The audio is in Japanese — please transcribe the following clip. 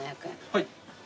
はい。